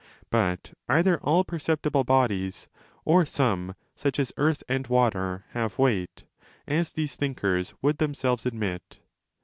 But either all perceptible bodies or some, such as earth and water, have weight, as these thinkers would themselves admit.